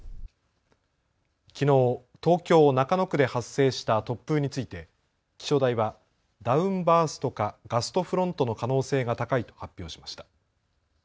きのう東京中野区で発生した突風について気象台はダウンバーストかガストフロントの可能性が高いと発表しました。